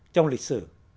trong lịch sử